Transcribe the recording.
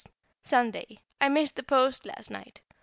_ Sunday. I missed the post last night.